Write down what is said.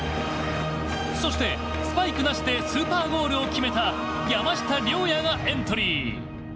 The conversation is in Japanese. そしてスパイクなしでスーパーゴールを決めた山下諒也がエントリー。